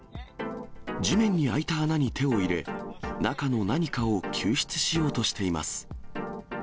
地面に開いた穴に手を入れ、中の何かを救出しようとしています。